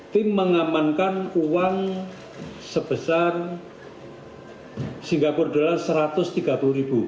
tim mengamankan uang sebesar singapura dolar rp satu ratus tiga puluh